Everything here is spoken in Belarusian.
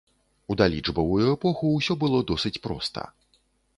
У далічбавую эпоху ўсё было досыць проста.